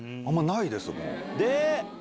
あんまないです。